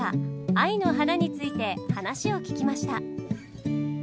「愛の花」について話を聞きました。